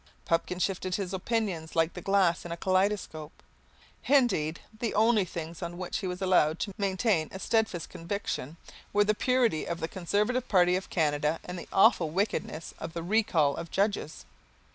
Pupkin shifted his opinions like the glass in a kaleidoscope. Indeed, the only things on which he was allowed to maintain a steadfast conviction were the purity of the Conservative party of Canada and the awful wickedness of the recall of judges.